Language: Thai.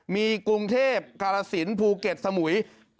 มีกรุงเทพกาลสินภูเก็ตสมุย